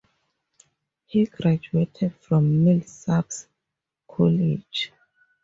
He graduated from Millsaps College.